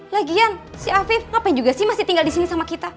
lagian si afif ngapain juga sih masih tinggal di sini sama kita